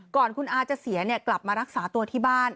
ก่อนคุณอาจะเสียกลับมารักษาตัวที่บ้าน